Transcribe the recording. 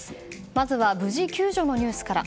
まずは無事救助のニュースから。